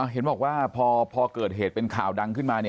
เห็นบอกว่าพอเกิดเหตุเป็นข่าวดังขึ้นมา